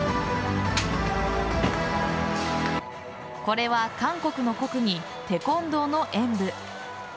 これは韓国の国技・テコンドーの演武。